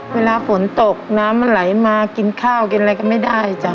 เวลาฝนตกน้ำมันไหลมากินข้าวกินอะไรก็ไม่ได้จ้ะ